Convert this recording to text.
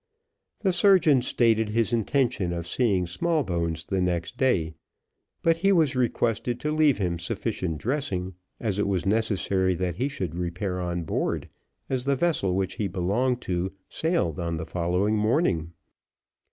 The surgeon stated his intention of seeing Smallbones the next day, but he was requested to leave him sufficient dressing, as it was necessary that he should repair on board, as the vessel which he belonged to sailed on the following morning.